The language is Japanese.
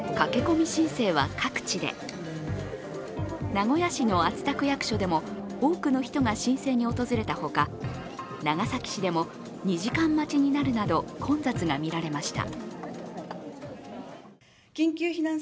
名古屋市の熱田区役所でも、多くの人が申請に訪れたほか長崎市でも２時間待ちになるなど混雑が見られました。